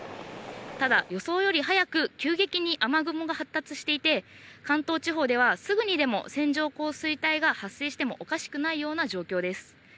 ただ、予想より早く急激に雨雲が発達していて、関東地方では、すぐにでも線状降水帯が発生してもおかしくないような状況です。